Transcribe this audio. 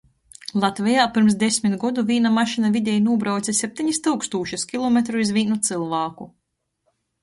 Latvejā pyrms desmit godu vīna mašyna videji nūbrauce septenis tyukstūšys kilometru iz vīnu cylvāku.